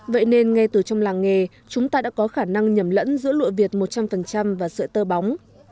vậy nên ngay từ trong làng nghề chúng ta đã có khả năng nhầm lẫn giữa lụa việt một trăm linh và sợi tơ bóng